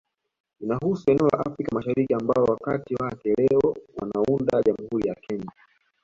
Inahusu eneo la Afrika Mashariki ambalo wakazi wake leo wanaunda Jamhuri ya Kenya